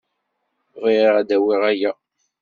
Bɣiɣ ad d-awiɣ aya.